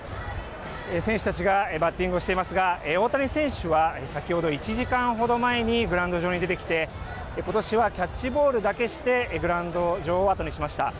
選手たちがバッティングをしていますが、大谷選手は先ほど、１時間ほど前にグラウンド上に出てきて、ことしはキャッチボールだけしてグラウンド場を後にしました。